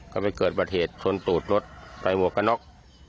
ก็ไปเกิดประเทศชนตูดรถไปหมวกกะน็อก